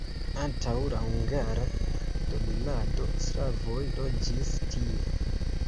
Antaŭ la hungara dominado slavoj loĝis tie.